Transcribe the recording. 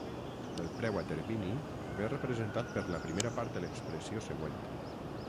El preu a termini ve representat per la primera part de l'expressió següent.